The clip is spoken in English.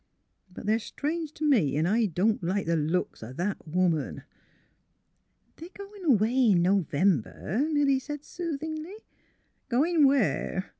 But they're strange t' me, 'n' I don't like the looks o' that woman." " They're going away in November," Milly said, soothingly, '' Goin' where?